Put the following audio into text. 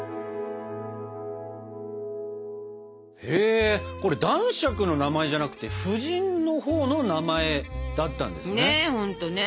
へえこれ男爵の名前じゃなくて夫人のほうの名前だったんですね。ね